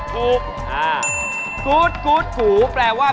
ไม่กินเป็นร้อย